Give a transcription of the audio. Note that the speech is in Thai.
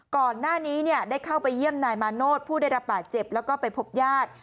ก่อนหน้านี้ได้เข้าไปเยี่ยมนายมาโนธผู้ได้รับบาดเจ็บแล้วก็ไปพบญาติ